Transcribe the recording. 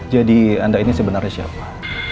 jadi anda ini sebenarnya siapa